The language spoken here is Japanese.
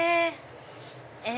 え！